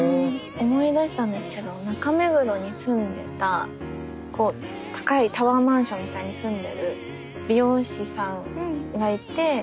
思い出したんですけど中目黒に住んでた高いタワーマンションみたいなのに住んでる美容師さんがいて。